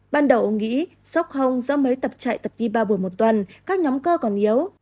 ban đầu ông nghĩ sốc hông do mới tập chạy tập di ba buổi một tuần các nhóm cơ còn yếu